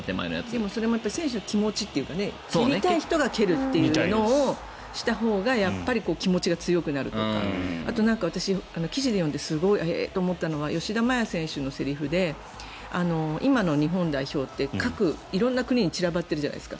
それも選手の気持ちというか蹴りたい人が蹴るというのをしたほうが気持ちが強くなるとか私、記事で読んでへえと思ったのは吉田麻也選手のセリフで今の日本代表って色んな国に散らばってるじゃないですか。